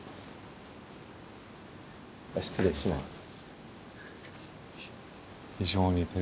失礼します。